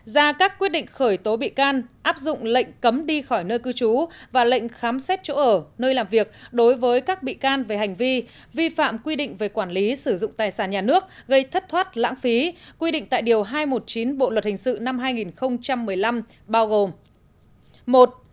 ra các quyết định khởi tố bị can áp dụng lệnh cấm đi khỏi nơi cư trú và lệnh khám xét chỗ ở nơi làm việc đối với các bị can về hành vi vi phạm quy định về quản lý sử dụng tài sản nhà nước gây thất thoát lãng phí quy định tại điều hai trăm một mươi chín bộ luật hình sự năm hai nghìn một mươi năm bao gồm